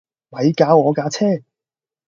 咪搞我架車